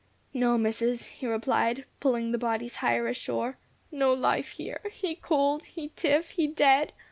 "No, Missus," he replied, pulling the bodies higher ashore. "No life here. He cold he stiff he dead.